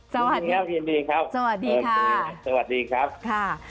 สวัสดีครับ